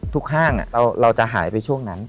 ห้างเราจะหายไปช่วงนั้น